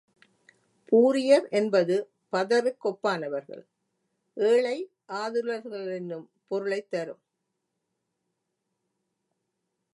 பூரியரென்பது பதருக்கொப்பானவர்கள், ஏழை, ஆதுலர்களென்னும் பொருளைத்தரும்.